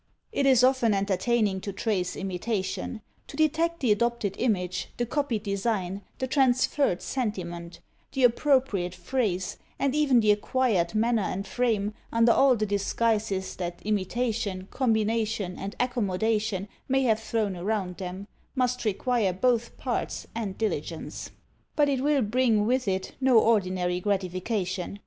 "It is often entertaining to trace imitation. To detect the adopted image; the copied design; the transferred sentiment; the appropriated phrase; and even the acquired manner and frame, under all the disguises that imitation, combination, and accommodation may have thrown around them, must require both parts and diligence; but it will bring with it no ordinary gratification.